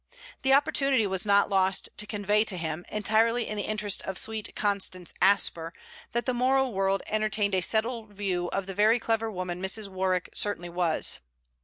The opportunity was not lost to convey to him, entirely in the interest of sweet Constance Asper, that the moral world entertained a settled view of the very clever woman Mrs. Warwick certainly was.